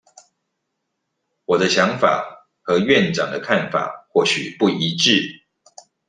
我的想法和院長的看法或許不一致